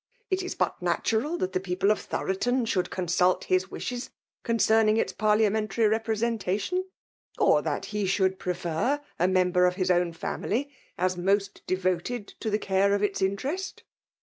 " It is tmt natural that the people of Thoroton should consult Ins \yishes concerning its parliamentary rej^resentation ; or that he should prefer a member of his own family, as most devoted to the care of its interest."